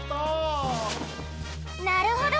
なるほど！